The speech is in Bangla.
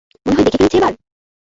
মনে হয় দেখে ফেলেছে, এবার?